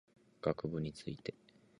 学部について